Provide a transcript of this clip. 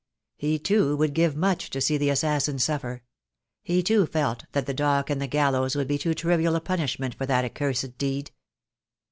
He too would give much to see the assassin suffer; he too felt that the dock and the gallows would be too trivial a punishment for that accursed deed.